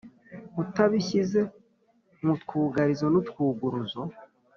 utabishyize mu twugarizo n’utwuguruzo.